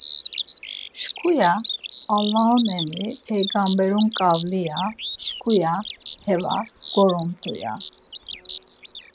Şǩu, ya; Allaun emri peygamberun ǩavli, ya; şǩu, ya; Heva bgorumtu, ya.